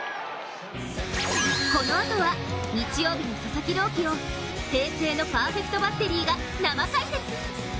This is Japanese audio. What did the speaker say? このあとは、日曜日の佐々木朗希を平成のパーフェクトバッテリーが生解説！